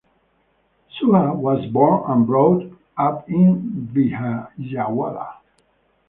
Suhas was born and brought up in Vijayawada.